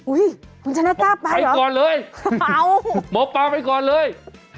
อุ๊ยคุณชนะกล้าไปเหรอไปก่อนเลยเอาหมอป่าไปก่อนเลย